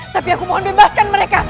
tapi aku mohon bebaskan mereka